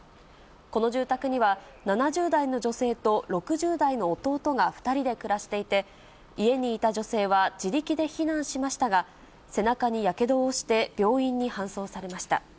この住宅には、７０代の女性と６０代の弟が２人で暮らしていて、家にいた女性は自力で避難しましたが、背中にやけどをして、病院に搬送されました。